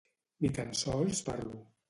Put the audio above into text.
Ni tan sols parlo.